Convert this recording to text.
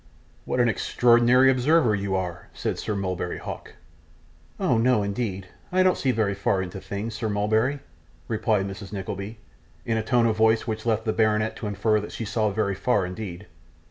'What an extraordinary observer you are!' said Sir Mulberry Hawk. 'Oh no, indeed, I don't see very far into things, Sir Mulberry,' replied Mrs. Nickleby, in a tone of voice which left the baronet to infer that she saw very far indeed.